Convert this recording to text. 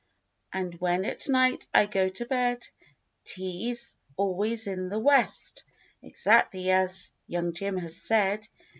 And when at night I go to bed, 'T is always in the West, Exactly as young Jim has said.